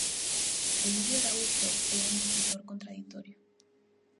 Emilio Araúxo é un escritor contraditorio.